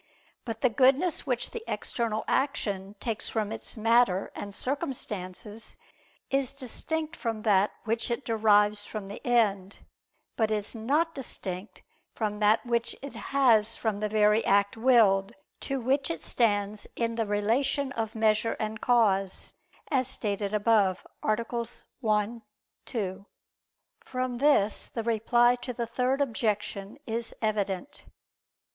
But the goodness which the external action takes from its matter and circumstances, is distinct from that which it derives from the end; but it is not distinct from that which it has from the very act willed, to which it stands in the relation of measure and cause, as stated above (AA. 1, 2). From this the reply to the Third Objection is evident.